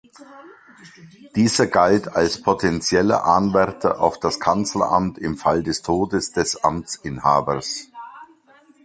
Dieser galt als potenzieller Anwärter auf das Kanzleramt im Fall des Todes des Amtsinhabers.